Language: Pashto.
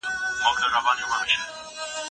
روسو فوبیا Rosso Phobia